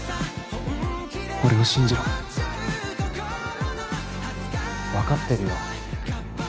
俺を信じろ分かってるよ